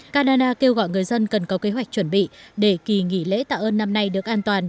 canada kêu gọi người dân cần có kế hoạch chuẩn bị để kỳ nghỉ lễ tạ ơn năm nay được an toàn